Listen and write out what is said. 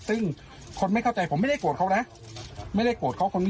ผมจะมาโพสต์แล้วด่าชาวบ้านเขาอย่างนี้